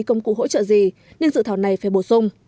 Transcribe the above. công cụ hỗ trợ gì nên dự thảo này phải bổ sung